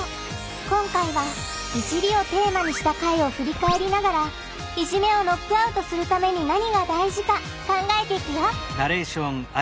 今回は「いじり」をテーマにした回をふりかえりながらいじめをノックアウトするために何が大事か考えていくよ